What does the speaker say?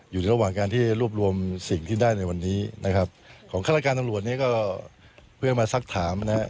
อยู่ระหว่างการที่รวบรวมสิ่งที่ได้ในวันนี้นะครับของข้าราชการตำรวจนี้ก็เพื่อมาสักถามนะครับ